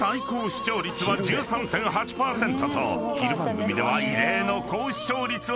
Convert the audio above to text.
［昼番組では異例の高視聴率を記録］